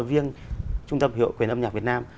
viên trung tâm hiệu quyền âm nhạc việt nam